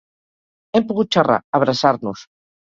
Hem pogut xerrar, abraçar-nos.